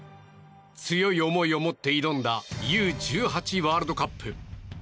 強い思いを持って挑んだＵ‐１８ワールドカップ。